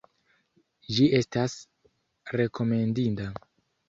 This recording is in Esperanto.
Ĝi estas rekomendinda.